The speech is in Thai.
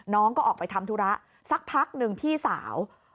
น้องก็ออกไปทำธุระสักพักหนึ่งพี่สาว